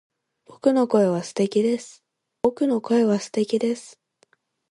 僕の声は素敵です